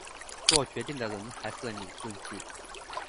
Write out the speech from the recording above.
作决定的人还是你自己